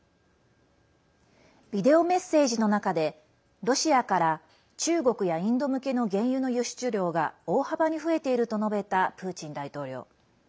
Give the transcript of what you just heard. ビデオメッセージの中でロシアから中国やインド向けの原油の輸出量が大幅に増えていると述べたプーチン大統領。